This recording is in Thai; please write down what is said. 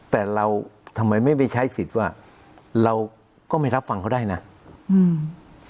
แต่เราทำไมไม่ไปใช้สิทธิ์ว่าเราก็ไม่รับฟังเขาได้น่ะอืม